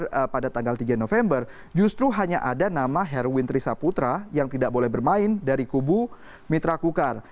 pada tanggal tiga november justru hanya ada nama herwin trisaputra yang tidak boleh bermain dari kubu mitra kukar